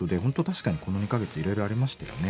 確かにこの２か月いろいろありましたよね。